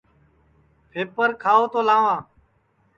پھپر کھاو تو لاواں